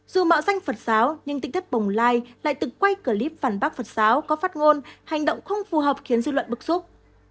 dù mạo danh phật giáo nhưng tinh thất bồng lai lại tự quay clip phản bác phật giáo có phát ngôn hành động không phù hợp khiến dư luận bức xúc